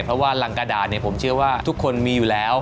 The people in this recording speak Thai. เพราะว่ารังกระดาษผมเชื่อว่าทุกคนมีอยู่แล้ว